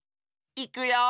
いくよ！